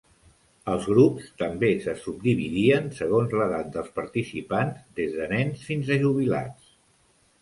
Els grups també se subdividien segons l'edat dels participants, des de nens fins a jubilats.